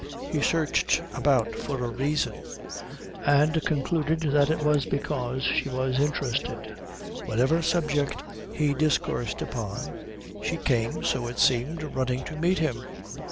He searched about for a reason, and concluded that it was because she was interested. Whatever subject he discoursed upon she came, so it seemed, running to meet him.